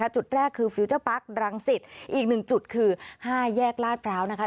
จุดแรกคือฟิวเจอร์ปาร์ครังสิตอีก๑จุดคือ๕แยกลาดพร้าวนะคะ